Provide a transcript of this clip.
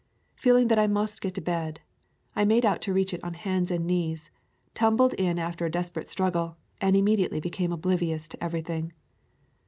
Feeling that I must get to bed, I made out to reach it on hands and knees, tumbled in after a desperate struggle, and immediately became oblivious to everything.